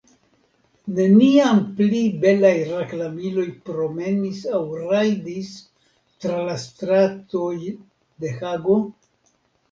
Neniam pli belaj reklamiloj promenis aŭ rajdis tra la stratoj de Hago?